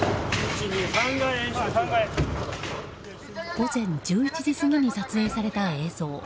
午前１１時過ぎに撮影された映像。